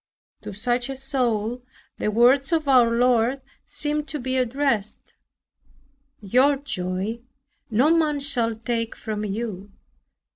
To such a soul the words of our Lord seem to be addressed, "Your joy no man shall take from you."